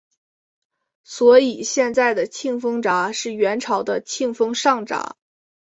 所以现在的庆丰闸是元朝的庆丰上闸。